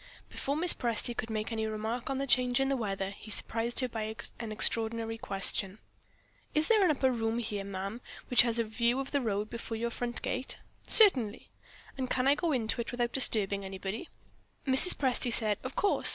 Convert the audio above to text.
Before Mrs. Presty could make any remark on the change in the weather, he surprised her by an extraordinary question. "Is there an upper room here, ma'am, which has a view of the road before your front gate?" "Certainly!" "And can I go into it without disturbing anybody?" Mrs. Presty said, "Of course!"